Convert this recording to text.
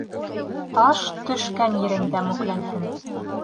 Таш төшкән ерендә мүкләнһен.